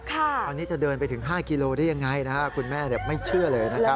ตอนนี้จะเดินไปถึง๕กิโลได้ยังไงคุณแม่ไม่เชื่อเลยนะครับ